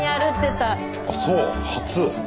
あそう初。